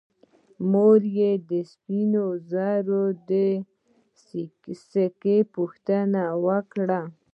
مور یې د سپینو زرو د سکې پوښتنه وکړه.